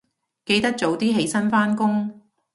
記得早啲起身返工